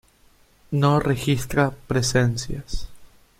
No registra presencias.